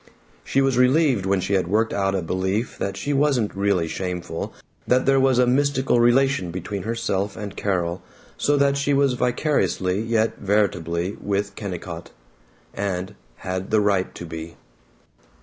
She was relieved when she had worked out a belief that she wasn't really shameful, that there was a mystical relation between herself and Carol, so that she was vicariously yet veritably with Kennicott, and had the right to be.